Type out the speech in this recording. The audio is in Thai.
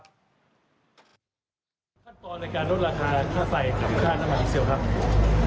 ขั้นตอนในการลดราคาค่าไฟกับค่าน้ำมันดีเซลครับ